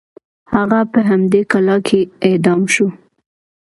هغه په همدې کلا کې اعدام شو.